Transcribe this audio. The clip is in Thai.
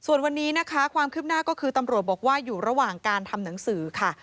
ส่วนวันนี้นะคะความคืบหน้าก็คือตำรวจบอกว่าอยู่ระหว่างการทำหนังสือค่ะ